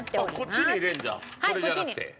これじゃなくて。